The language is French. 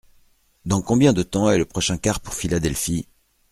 Dans combien de temps est le prochain car pour Philadelphie ?